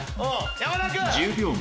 山田君！